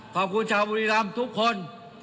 ขอบคุณชาวบุรีรำทุกคน